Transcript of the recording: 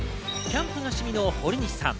キャンプが趣味の堀西さん。